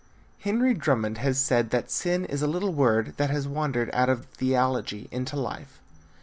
Henry Drummond has said that sin is a little word that has wandered out of theology into life.